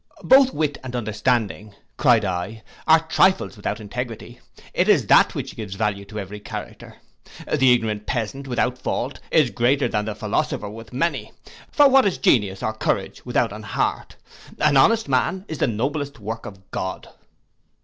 'Both wit and understanding,' cried I, 'are trifles, without integrity: it is that which gives value to every character. The ignorant peasant, without fault, is greater than the philosopher with many; for what is genius or courage without an heart? _An honest man is the noblest work of God.